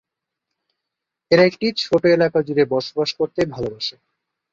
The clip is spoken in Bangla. এরা একটি ছোটো এলাকা জুড়ে বসবাস করতে ভালোবাসে।